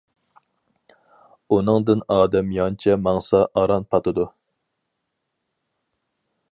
ئۇنىڭدىن ئادەم يانچە ماڭسا ئاران پاتىدۇ.